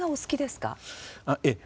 ええ。